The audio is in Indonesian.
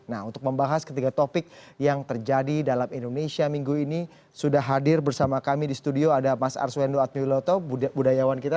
nah untuk membahas ketiga topik yang terjadi dalam indonesia minggu ini sudah hadir bersama kami di studio ada mas arswendo admiloto budayawan kita